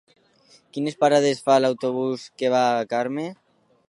Quines parades fa l'autobús que va a Carme?